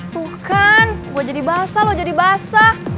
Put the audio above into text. tuh kan gue jadi basah lo jadi basah